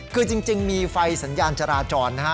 คือจริงมีไฟสัญญาณจราจรนะฮะ